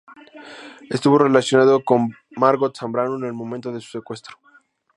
Estuvo relacionado con Margot Zambrano en el momento de su secuestro.